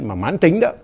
mà mán tính đó